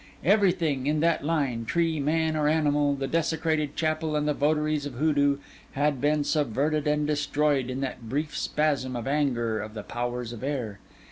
Everything, in that line, tree, man, or animal, the desecrated chapel and the votaries of Hoodoo, had been subverted and destroyed in that brief spasm of anger of the powers of air.